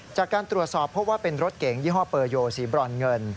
จากการตรวจสอบพบว่าเป็นรถเก๋งยี่ห้อเปอร์โยสีบรอนเงิน